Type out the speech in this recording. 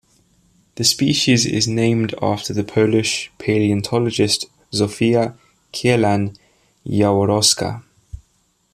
The species is named after the Polish paleontologist Zofia Kielan-Jaworowska.